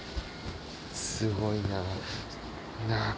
すごいな。